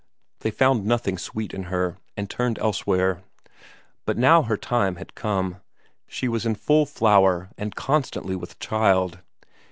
They found nothing sweet in her, and turned elsewhere. But now her time had come; she was in full flower and constantly with child.